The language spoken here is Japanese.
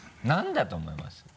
何だと思います？